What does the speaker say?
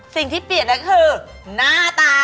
สิ่งที่เปลี่ยนก็คือหน้าตา